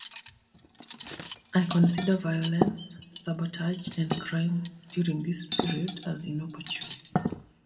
I consider violence, sabotage, and crime during this period as inopportune.